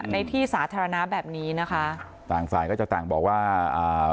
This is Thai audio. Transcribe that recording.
ในที่สาธารณะแบบนี้นะคะต่างฝ่ายก็จะต่างบอกว่าอ่า